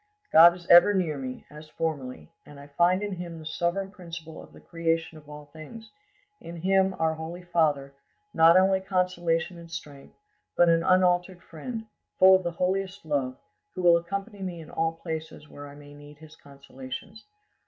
God is ever near me, as formerly, and I find in Him the sovereign principle of the creation of all things; in Him, our holy Father, not only consolation and strength, but an unalterable Friend, full of the holiest love, who will accompany me in all places where I may need His consolations.